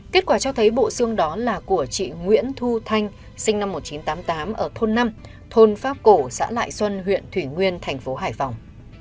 kết quả cho thấy bộ xương đó là của chị nguyễn thu thanh sinh năm một nghìn chín trăm tám mươi tám ở thôn năm thôn pháp cổ xã lại xuân huyện thủy nguyên thành phố hải phòng